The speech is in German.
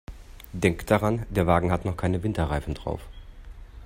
Denk daran, der Wagen hat noch keine Winterreifen drauf.